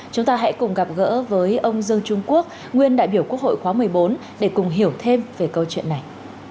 chúng ta hãy cùng gặp gỡ với ông dương trung quốc nguyên đại biểu quốc hội khóa một mươi bốn để cùng hiểu thêm về câu chuyện này